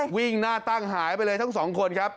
วิ่งหน้าตั้งหายไปเลยทั้งสองคนครับ